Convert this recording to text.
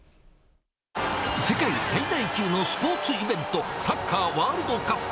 世界最大級のスポーツイベント、サッカーワールドカップ。